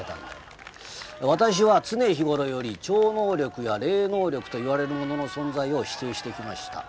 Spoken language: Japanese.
「私は常日頃より超能力や霊能力と言われるものの存在を否定してきました」